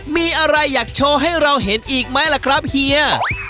มีอะไรอยากโชว์ให้เราเห็นอีกไหมล่ะครับเฮีย